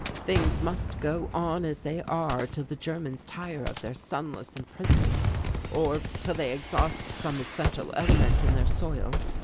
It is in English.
Things must go on as they are till the Germans tire of their sunless imprisonment or till they exhaust some essential element in their soil.